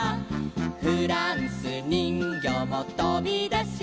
「フランスにんぎょうもとびだして」